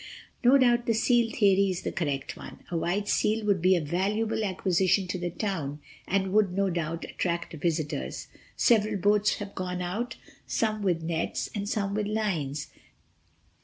No doubt the seal theory is the correct one. A white seal would be a valuable acquisition to the town, and would, no doubt, attract visitors. Several boats have gone out, some with nets and some with lines.